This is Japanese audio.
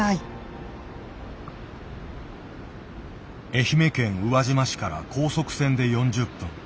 愛媛県宇和島市から高速船で４０分。